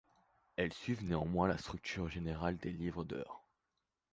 Elles suivent néanmoins la structure générale des livres d'heures.